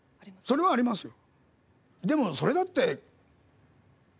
それはありますよ。